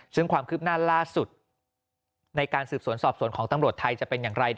ซึ่งความคืบหน้าล่าสุดในการสืบสวนสอบสวนของตำรวจไทยจะเป็นอย่างไร